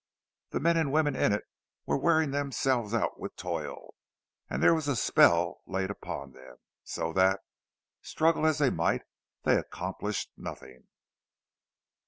The men and women in it were wearing themselves out with toil; but there was a spell laid upon them, so that, struggle as they might, they accomplished nothing.